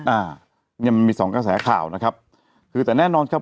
อ่ายังมีสองกระแสข่าวนะครับคือแต่แน่นอนครับ